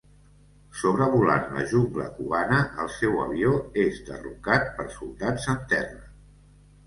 Sobrevolant la jungla cubana, el seu avió és derrocat per soldats en terra.